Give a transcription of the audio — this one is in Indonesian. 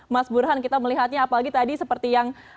mas burhan kita melihatnya apalagi tadi seperti yang